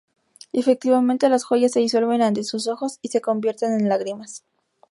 Y, efectivamente, las joyas se disuelven ante sus ojos y se convierten en lágrimas.